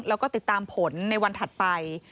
แล้วก็ติดตามผลในวันถัดไป